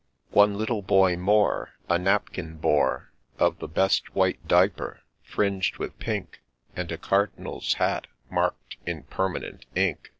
One little boy more A napkin bore, Of the best white diaper, fringed with pink, And a Cardinal's Hat mark'd in ' permanent ink.'